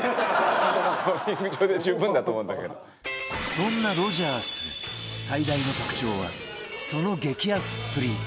そんなロヂャース最大の特徴はその激安っぷり